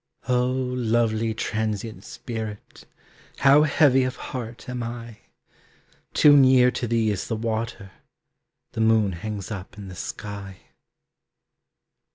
Oh, lovely transient spirit, How heavy of heart am I! Too near to thee is the water, The moon hangs up in the sky.